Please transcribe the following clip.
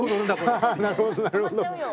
なるほどなるほど。